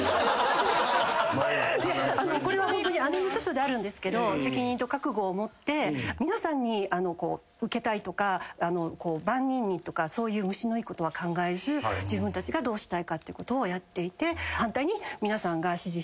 これはホントに姉の著書であるんですけど責任と覚悟を持って皆さんに受けたいとか万人にとかそういう虫のいいことは考えず自分たちがどうしたいかってことをやっていて反対に。